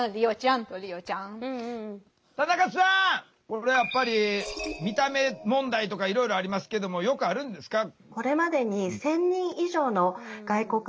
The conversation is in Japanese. これやっぱり見た目問題とかいろいろありますけどもよくあるんですか？